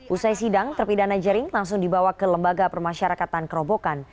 usai sidang terpidana jering langsung dibawa ke lembaga permasyarakatan kerobokan